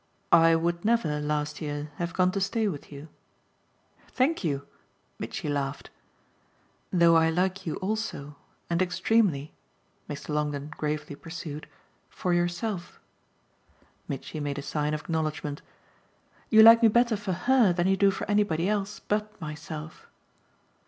"I would never, last year, have gone to stay with you." "Thank you!" Mitchy laughed. "Though I like you also and extremely," Mr. Longdon gravely pursued, "for yourself." Mitchy made a sign of acknowledgement. "You like me better for HER than you do for anybody else BUT myself."